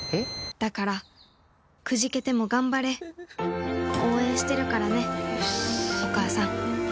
だからくじけても頑張れうぅ応援してるからねお母さんよし。